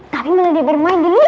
tapi mulai dia bermain di luar